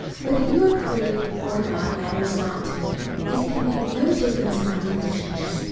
Whether you are free or not matters not to me. It can make no difference in our relationship.